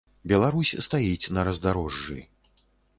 Беларусь стаіць на раздарожжы.